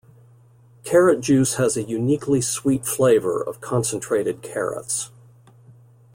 Carrot juice has a uniquely sweet flavour of concentrated carrots.